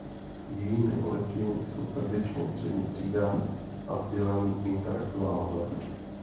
Jejími voliči jsou tradičně střední třída a vzdělaní intelektuálové.